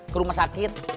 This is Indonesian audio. ke rumah sakit